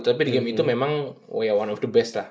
tapi di game itu memang way one of the best lah